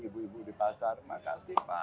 ibu ibu di pasar makasih pak